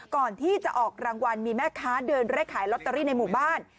ก่อนที่จะออกรางวัลมีแม่ค้าเดินเลขขายลอตเตอรี่ในหมู่บ้าน